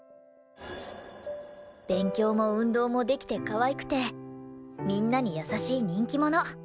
勉強も運動もできてかわいくてみんなに優しい人気者。